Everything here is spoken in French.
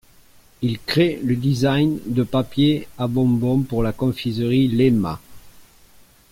Il crée le design de papiers à bonbons pour la confiserie Laima.